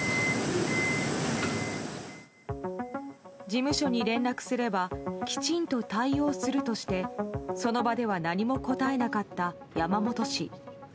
事務所に連絡すればきちんと対応するとしてその場では何も答えなかった山本氏。